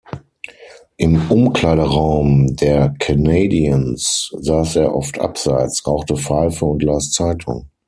Im Umkleideraum der Canadiens saß er oft abseits, rauchte Pfeife und las Zeitung.